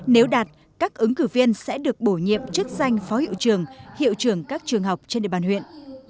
nếu đạt các ứng cử viên sẽ được bổ nhiệm chức danh phó hiệu trường hiệu trưởng các trường học trên địa bàn huyện